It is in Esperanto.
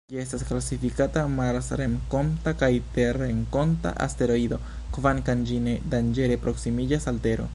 Ĝi estas klasifikata marsrenkonta kaj terrenkonta asteroido kvankam ĝi ne danĝere proksimiĝas al Tero.